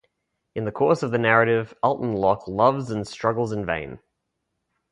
In the course of the narrative, Alton Locke loves and struggles in vain.